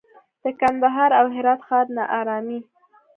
د کندهار او هرات ښار ناارامي